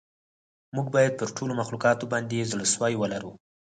موږ باید پر ټولو مخلوقاتو باندې زړه سوی ولرو.